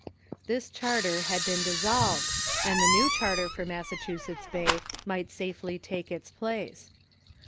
This charter had been dissolved, and the new charter for Mas sachusetts Bay might safely take its place.